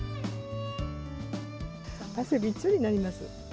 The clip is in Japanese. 汗びっちょりになります。